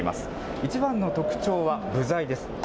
一番の特徴は具材です。